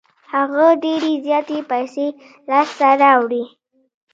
هغه ډېرې زياتې پیسې لاس ته راوړې.